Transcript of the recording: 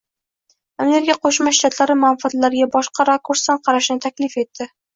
Amerika Qo'shma Shtatlari manfaatlariga boshqa rakursdan qarashni taklif etdi.